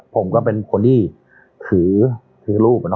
ผมก็เป็นคนที่ถือรูป